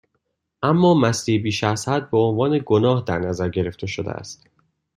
اما مستی بیشازحد، بهعنوان گناه در نظر گرفته شده است